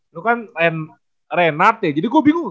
lu kan reinhardt ya jadi gua bingung